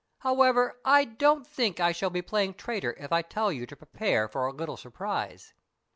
However, I don't think I shall be playing traitor if I tell you to prepare for a little surprise."